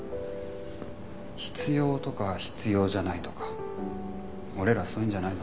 必要とか必要じゃないとか俺らそういうんじゃないぞ。